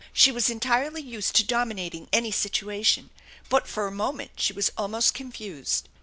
She was entirely used to dominating any situation, but for a moment she was almost confused.